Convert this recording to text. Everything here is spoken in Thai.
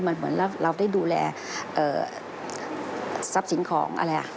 มันเหมือนเราได้ดูแลสัพศิลป์ของ